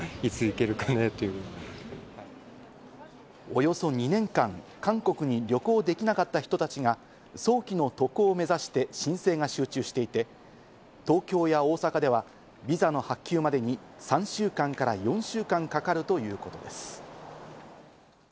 およそ２年間、韓国に旅行できなかった人たちが早期の渡航を目指して申請が集中していて、東京や大阪ではビザの発給までに３週間から４週間かかるということです。